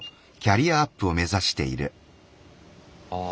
ああ。